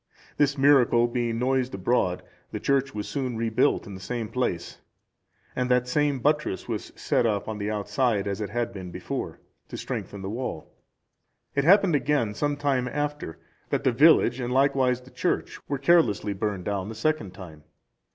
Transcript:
This miracle being noised abroad, the church was soon rebuilt in the same place, and that same buttress was set up on the outside, as it had been before, to strengthen the wall. It happened again, some time after, that the village and likewise the church were carelessly burned down the second time.